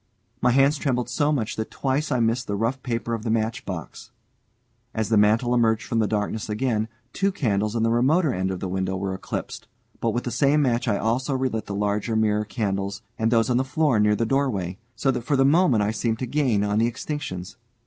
My hands trembled so much that twice I missed the rough paper of the matchbox. As the mantel emerged from darkness again, two candles in the remoter end of the window were eclipsed. But with the same match I also relit the larger mirror candles, and those on the floor near the doorway, so that for the moment I seemed to gain on the extinctions.